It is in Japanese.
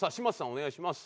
お願いします。